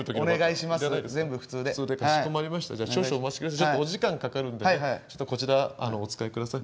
ちょっとお時間かかるんでちょっとこちらお使いください。